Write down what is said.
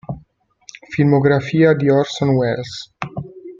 Filmografia di Orson Welles